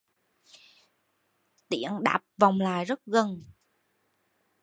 tiếng đáp vọng lại rất gần